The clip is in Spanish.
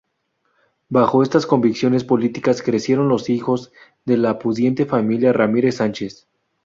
Bajo estas convicciones políticas crecieron los hijos de la pudiente familia Ramírez Sánchez.